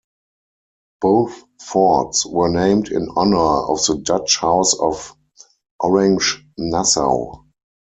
Both forts were named in honor of the Dutch House of Orange-Nassau.